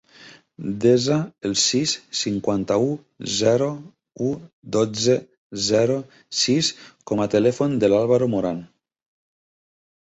Desa el sis, cinquanta-u, zero, u, dotze, zero, sis com a telèfon del Álvaro Moran.